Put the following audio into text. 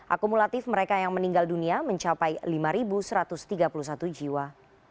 akumulatif mereka yang meninggal dunia mencapai lima satu ratus tiga puluh satu jiwa